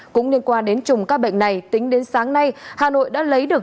cũng liên quan đến chùm ca bệnh này tính đến sáng nay hà nội đã lấy được